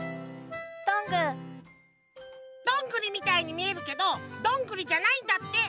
どんぐりみたいにみえるけどどんぐりじゃないんだって。